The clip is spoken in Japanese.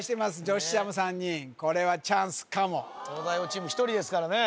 同志社も３人これはチャンスかも東大王チーム１人ですからね